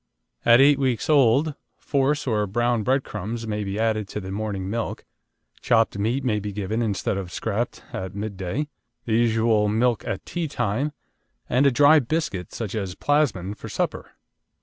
At eight weeks' old, Force or brown breadcrumbs may be added to the morning milk, chopped meat may be given instead of scraped at midday, the usual milk at tea time, and a dry biscuit, such as Plasmon, for supper.